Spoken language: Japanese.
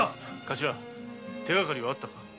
カシラ手がかりはあったか？